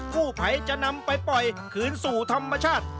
ผู้ภัยจะนำไปปล่อยคืนสู่ธรรมชาติ